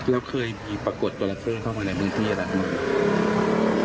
แล้วเคยมีปรากฏจอระเข้เข้ามาในเมืองที่อีกไหม